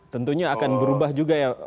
tentunya akan berubah juga ya mas budi